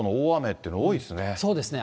そうですね。